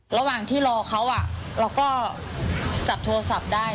ระหว่างที่รอเขาเราก็จับโทรศัพท์ได้